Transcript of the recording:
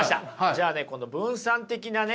じゃあねこの分散的なね